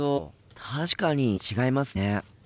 確かに違いますね。